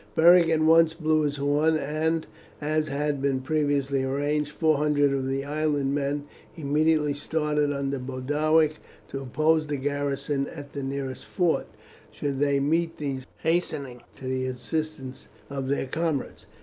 Beric at once blew his horn, and, as had been previously arranged, four hundred of the island men immediately started under Boduoc to oppose the garrison at the nearest fort, should they meet these hastening to the assistance of their comrades.